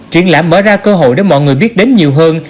triển lãm mở ra cơ hội để mọi người biết đến nhiều hơn